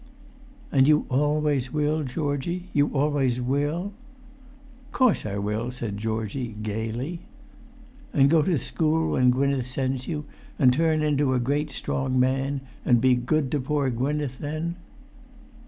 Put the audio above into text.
"And you always will, Georgie—you always will?" "Course I will," said Georgie, gaily. [Pg 406]"And go to school when Gwynneth sends you, and turn into a great strong man, and be good to poor Gwynneth then?"